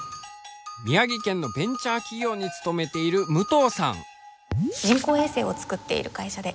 宮城県のベンチャー企業に勤めている最先端！